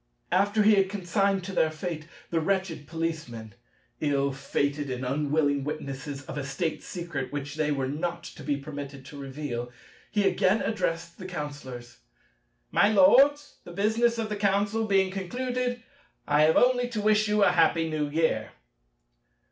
After he had consigned to their fate the wretched policemen—ill fated and unwilling witnesses of a State secret which they were not to be permitted to reveal—he again addressed the Counsellors. "My Lords, the business of the Council being concluded, I have only to wish you a happy New Year."